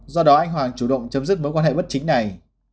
do đó anh hoàng chủ động chấm dứt mối quan hệ bất chính này